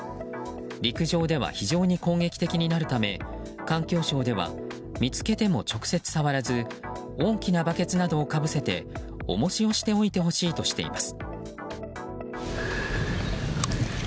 陸上では非常に攻撃的になるため環境省では見つけても直接触らず大きなバケツなどをかぶせて重しをしておいてほしいとしています。